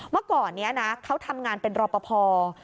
เมื่อก่อนเขาทำงานเป็นรอประพภา